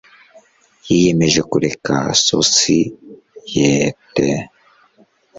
yiyemeje kureka sosiyete